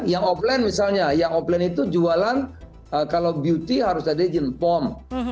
yang offline misalnya yang offline itu jualan kalau beauty harus ada izin pom